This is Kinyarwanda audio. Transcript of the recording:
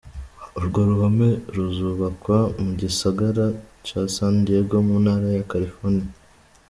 Urwo ruhome ruzubakwa mu gisagara ca San Diego mu ntara ya California.